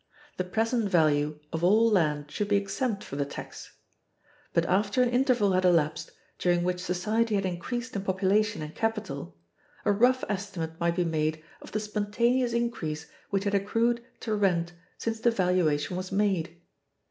The present value of all land should be exempt from the tax; but after an interval had elapsed, during which society had increased in population and capital, a rough estimate might be made of the spontaneous increase which had accrued to rent since the valuation was made.